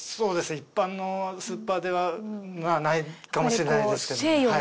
一般のスーパーではないかもしれないですね。